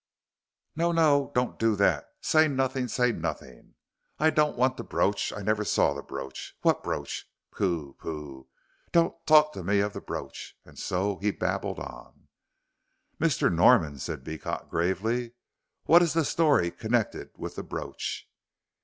"No, no! Don't do that say nothing say nothing. I don't want the brooch. I never saw the brooch what brooch pooh pooh, don't talk to me of the brooch," and so he babbled on. "Mr. Norman," said Beecot, gravely, "what is the story connected with the brooch?"